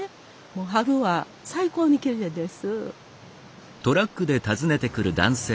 春は最高にきれいです。